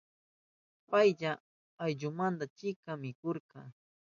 Payka ayllunmanta chikan mikuhurka.